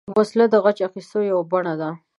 وسله د غچ اخیستو یوه بڼه ده